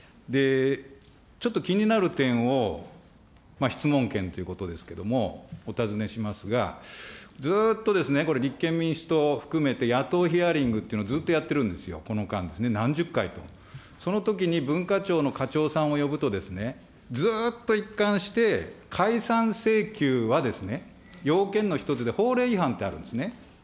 ちょっと気になる点を、質問権ということですけれども、お尋ねしますが、ずっとですね、これ、立憲民主党を含めて、野党ヒアリングというのをずっとやってるんですよ、この間ですね、何十回と。そのときに文化庁の課長さんを呼ぶと、ずっと一貫して、解散請求はですね、要件の一つで、法令違反ってあるんですね。